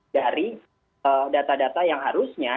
dari data data yang harusnya